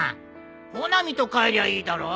穂波と帰りゃいいだろう。